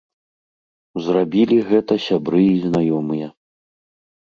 Зрабілі гэта сябры і знаёмыя.